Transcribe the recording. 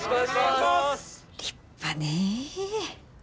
立派ねえ。